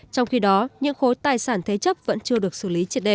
trong khi đó những khối tài sản thế chấp vẫn chưa được xử lý triệt đề